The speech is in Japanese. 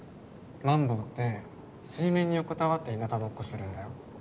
マンボウって水面に横たわってひなたぼっこするんだよ。